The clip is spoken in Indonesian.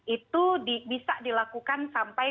itu bisa dilakukan sampai